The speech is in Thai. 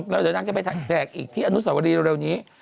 เดี๋ยวนางจะไปแจกอีกที่อารุสวรรีแล้วรู่นี้